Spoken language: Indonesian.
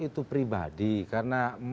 itu pribadi karena